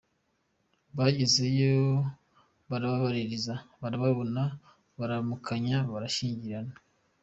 Bagezeyo barabaririza barababona ; bararamukanya barashyikirana.